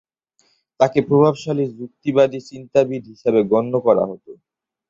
তাকে প্রভাবশালী যুক্তিবাদী চিন্তাবিদ হিসাবে গন্য করা হতো।